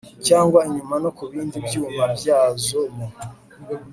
cy inyuma no ku bindi byuma byazo mu